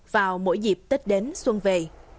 vào mỗi dịp tết đến xuân về